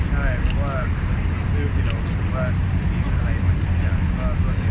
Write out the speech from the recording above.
ใช่เพราะว่าคือที่เราคิดว่ามีอะไรมันขึ้นอย่างกว่าเดียว